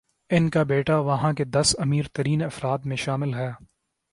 ان کا بیٹا وہاں کے دس امیرترین افراد میں شامل ہے۔